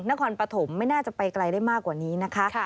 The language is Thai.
นครปฐมไม่น่าจะไปไกลได้มากกว่านี้นะคะ